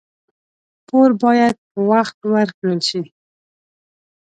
پور باید په وخت ورکړل شي.